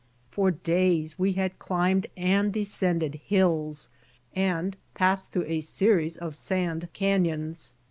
For days we had climbed and descended hills and passed through a series of sand canyons.